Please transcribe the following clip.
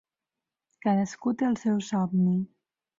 Cadascú té el seu somni.